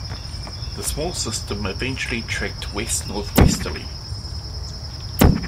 The small system eventually trekked west-northwesterly.